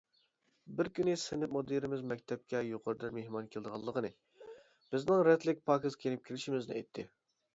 بىر كۈنى سىنىپ مۇدىرىمىز مەكتەپكە يۇقىرىدىن مېھمان كېلىدىغانلىقىنى، بىزنىڭ رەتلىك، پاكىز كىيىنىپ كېلىشىمىزنى ئېيتتى.